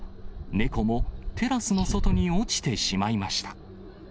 猫もテラスの外に落ちてしまいました。